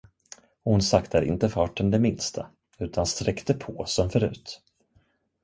Och hon saktade inte farten det minsta, utan sträckte på som förut.